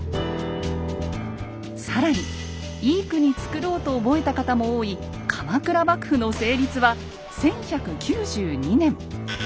更に「いい国つくろう」と覚えた方も多い鎌倉幕府の成立は１１９２年！